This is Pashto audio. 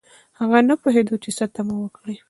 هغه نه پوهیده چې څه تمه وکړي